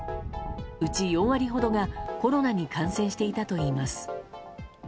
うち４割ほどがコロナに感染していたといいます。